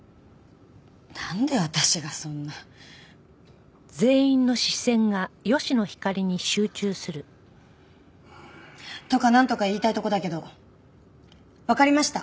なんで私がそんな。とかなんとか言いたいとこだけどわかりました。